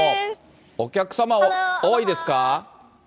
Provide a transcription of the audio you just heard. お客様、多いですか？